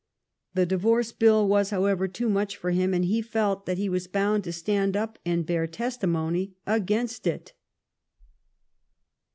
The Divorce Bill was, however, too much for him, and he felt that he was bound to stand up and bear testi mony against it.